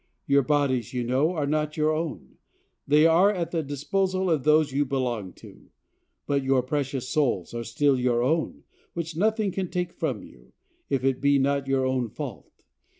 Your bodies, you know, are not your own; they are at the disposal of those you belong to; but your precious souls are still your own, which nothing can take from you, if it be not your own fault.